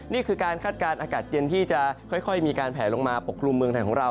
นี่คือการคาดการณ์อากาศเย็นที่จะค่อยมีการแผลลงมาปกครุมเมืองไทยของเรา